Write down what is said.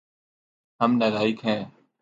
ہم نالائق ہیے